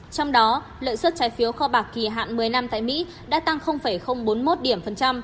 trong đó lợi suất trái phiếu kho bạc kỳ hạn một mươi năm tại mỹ đã tăng bốn mươi một điểm phần trăm